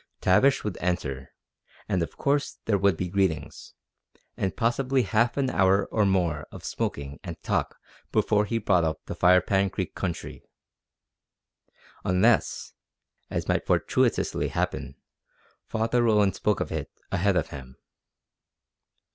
Tavish would enter, and of course there would be greetings, and possibly half an hour or more of smoking and talk before he brought up the Firepan Creek country, unless, as might fortuitously happen, Father Roland spoke of it ahead of him.